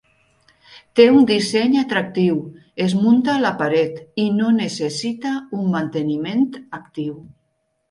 Té un disseny atractiu, es munta a la paret, i no necessita un manteniment actiu.